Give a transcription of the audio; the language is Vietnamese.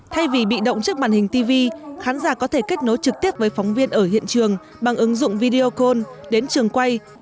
thay vì bị động trước màn hình tv khán giả có thể kết nối trực tiếp với phóng viên ở hiện trường bằng ứng dụng video call đến trường quay